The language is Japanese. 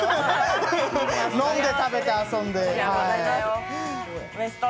飲んで、食べて、遊んで。